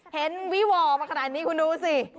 เห็นวีหว่อมาขนาดนี้คุณดูสิ